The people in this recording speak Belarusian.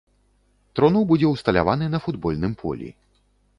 Труну будзе ўсталяваны на футбольным полі.